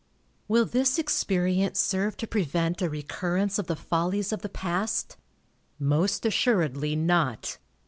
Will this experience serve to prevent a recurrence of the follies of the past? Most assuredly not.